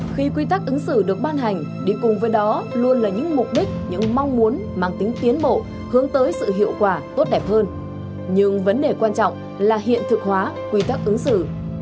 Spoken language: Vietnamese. khi quy tắc ứng xử được ban hành đi cùng với đó luôn là những mục đích những mong muốn mang tính tiến bộ hướng tới sự hiệu quả tốt đẹp hơn nhưng vấn đề quan trọng là hiện thực hóa quy tắc ứng xử